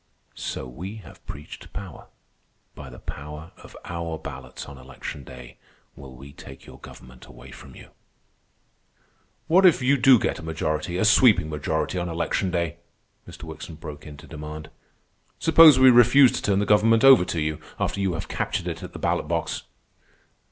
So we have preached power. By the power of our ballots on election day will we take your government away from you—" "What if you do get a majority, a sweeping majority, on election day?" Mr. Wickson broke in to demand. "Suppose we refuse to turn the government over to you after you have captured it at the ballot box?"